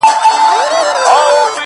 زما د تصور لاس در غځيږي گرانـي تــــاته;